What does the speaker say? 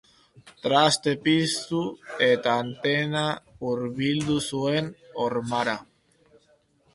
Trastea piztu eta antena hurbildu zuen hormara.